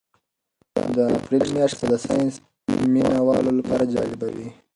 د اپریل میاشت به د ساینس مینه والو لپاره جالبه وي.